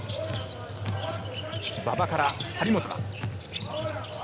馬場から張本だ。